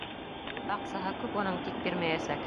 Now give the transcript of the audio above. — Аҡсаһы күп уның, тик бирмәйәсәк.